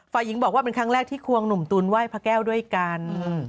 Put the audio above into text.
ฝ่ายหญิงบอกว่าเป็นครั้งแรกที่ควงหนุ่มตุ๋นไหว้พระแก้วด้วยกัน